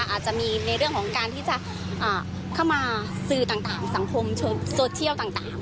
อาจจะมีในเรื่องของการที่จะเข้ามาสื่อต่างสังคมโซเชียลต่าง